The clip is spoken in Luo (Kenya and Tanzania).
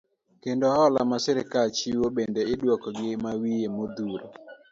Kendo hola ma sirikal chiwo, bende iduoko gi mawiye modhuro.